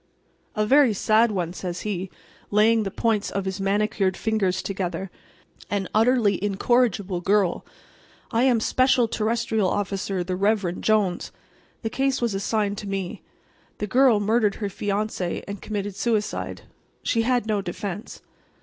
"A very sad one," says he, laying the points of his manicured fingers together. "An utterly incorrigible girl. I am Special Terrestrial Officer the Reverend Jones. The case was assigned to me. The girl murdered her fiance and committed suicide. She had no defense.